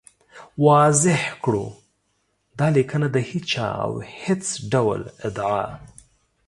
واضح کړو، دا لیکنه د هېچا او هېڅ ډول ادعا